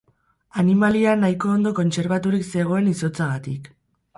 Animalia nahiko ondo kontserbaturik zegoen izotzagatik.